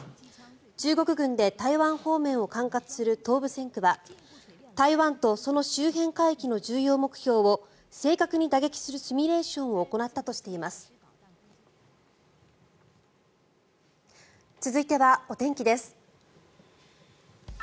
中国軍で台湾方面を管轄する東部戦区は台湾とその周辺海域の重要目標を正確に打撃するシミュレーションを薄いハブラシはＬＩＯＮ事実！